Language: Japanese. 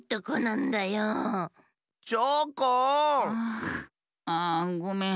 ああごめん。